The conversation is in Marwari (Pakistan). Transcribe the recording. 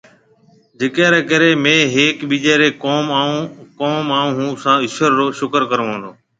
جڪي ري ڪري ميهه هيڪي ٻيجي ري ڪوم آئون ھونهان ايشور رو شڪر ڪرون ۿون۔